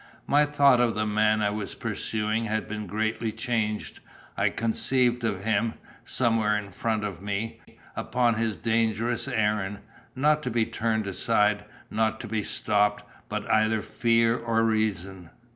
My thought of the man I was pursuing had been greatly changed. I conceived of him, somewhere in front of me, upon his dangerous errand, not to be turned aside, not to be stopped, by either fear or reason.